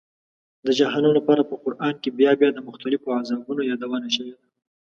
د جهنم لپاره په قرآن کې بیا بیا د مختلفو عذابونو یادونه شوې ده.